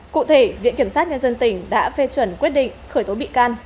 cụ thể viện kiểm sát nhân dân tỉnh đã phê chuẩn quyết định khởi tố bị can